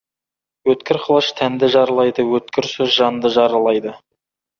Өткір қылыш тәнді жаралайды, өткір сөз жанды жаралайды.